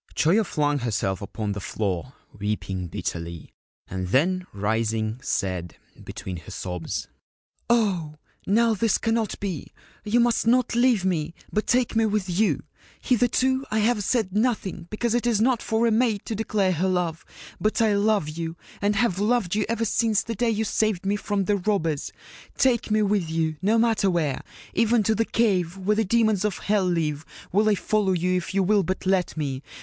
Choyo flung herself upon the floor, weeping bitterly, and then rising, said, between her sobs :' Oh, now, this cannot be ! You must not leave me, but take me with you. Hitherto I have said nothing, because it is not for a maid to declare her love ; but I love you, and have loved you ever since the day you saved me from the robbers. Take me with you, no matter where ; even to the Cave where the Demons of Hell live will I follow you if you will but let me